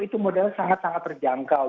itu modalnya sangat sangat terjangkau